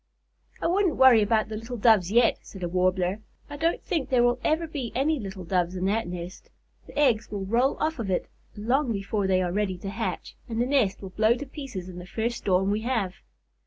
"I wouldn't worry about the little Doves yet," said a Warbler. "I don't think there will ever be any little Doves in that nest. The eggs will roll off of it long before they are ready to hatch, and the nest will blow to pieces in the first storm we have."